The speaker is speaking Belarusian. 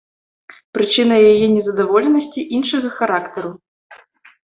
Прычына яе нездаволенасці іншага характару.